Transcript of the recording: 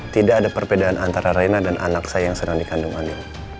tidak ada perbedaan antara raina dan anak saya yang sedang dikandung ani